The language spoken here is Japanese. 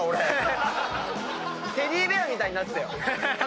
テディベアみたいになってたよ。